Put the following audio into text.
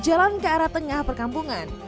jalan ke arah tengah perkampungan